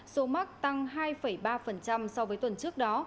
số mắc tăng hai ba so với tuần trước đó